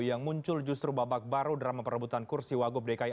yang muncul justru babak baru drama perebutan kursi wagub dki